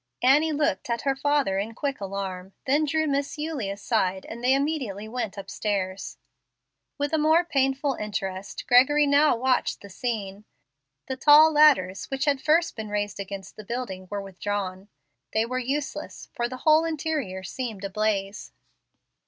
Annie looked at her father in quick alarm, then drew Miss Eulie aside, and they immediately went upstairs. With a more painful interest, Gregory now watched the scene. The tall ladders which had first been raised against the building were withdrawn. They were useless for the whole interior seemed ablaze.